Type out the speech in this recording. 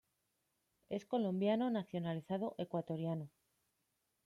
Es colombiano nacionalizado ecuatoriano.